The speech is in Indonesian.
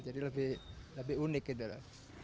jadi lebih unik gitu